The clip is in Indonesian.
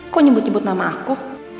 kok nyebut nyebut nama aku